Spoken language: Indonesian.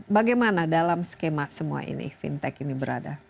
bagaimana dalam skema semua ini fintech ini berada